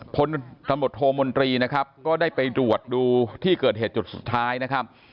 พลตำรวจโทมนตรีนะครับก็ได้ไปตรวจดูที่เกิดเหตุจุดสุดท้ายนะครับ